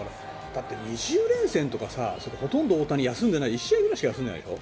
だって２０連戦とかほとんど大谷は休んでいない１試合ぐらいしか休んでないでしょ。